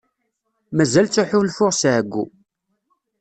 Mazal ttḥulfuɣ s ɛeyyu.